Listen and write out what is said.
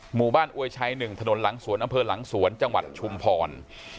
อวยชัย๑ถนนหลังสวนอำเภอหลังสวนจังหวัดชุมพร